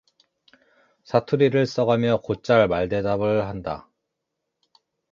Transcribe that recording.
사투리를 써가며 곧잘 말대답을 한다.